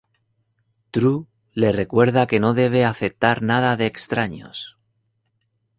Tru le recuerda que no debe aceptar nada de extraños.